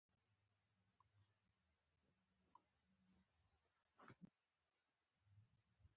د دوايانو پۀ اسانه او ارزانه لار دې د ژوند سفر جاري ساتي -